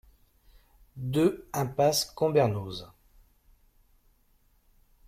deux impasse Combernoz